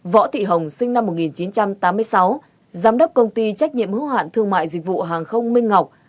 võ thị hồng sinh năm một nghìn chín trăm tám mươi sáu giám đốc công ty trách nhiệm hữu hạn thương mại dịch vụ hàng không minh ngọc